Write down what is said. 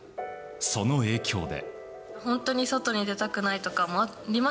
その影響で。